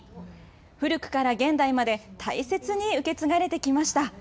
古くから現代まで大切に受け継がれてきました。